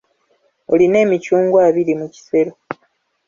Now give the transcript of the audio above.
Olina emicungwa abiri mu kisero.